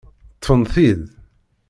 Ṭṭfen-t-id.